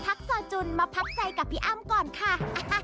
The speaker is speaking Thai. ก่อนจะเจอพักสะจุดมาพัดใจกับพี่อ้ำก่อนค่ะ